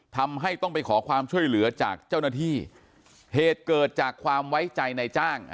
ทำให้ต้องไปขอความช่วยเหลือจากเจ้าหน้าที่เหตุเกิดจากความไว้ใจในจ้าง